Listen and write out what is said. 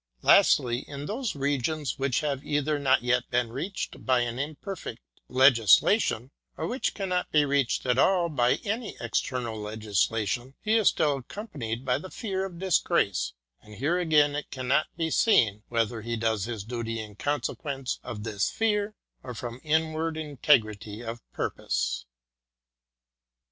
Lastly, in those regions which have either not yet been reached by an imperfect legisla tion, or which cannot be reached at all by any external legis lation, he is still accompanied by the fear of disgrace ; and here again it cannot be seen whether he does his duty in consequence of this fear or from inward integrity of pur pose.